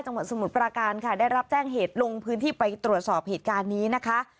สมุทรปราการค่ะได้รับแจ้งเหตุลงพื้นที่ไปตรวจสอบเหตุการณ์นี้นะคะ